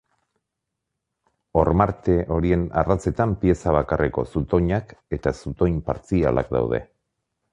Hormarte horien ardatzetan pieza bakarreko zutoinak eta zutoin partzialak daude.